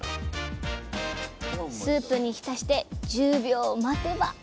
スープに浸して１０秒待てば！